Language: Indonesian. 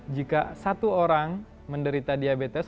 jika satu orang menderita diabetes